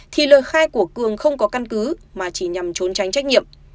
thì lời khai của cường không có căn cứ mà chỉ nhằm trốn tránh trách nhiệm